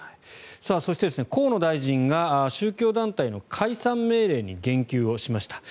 そして、河野大臣が宗教団体の解散命令に言及しました。